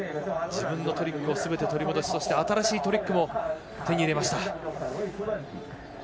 自分のトリックをすべて取り戻しそして、新しいトリックも手に入れました。